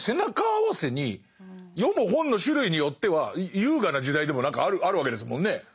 あわせに読む本の種類によっては優雅な時代でも何かあるわけですもんね。